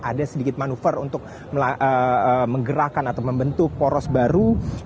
ada sedikit manuver untuk menggerakkan atau membentuk poros baru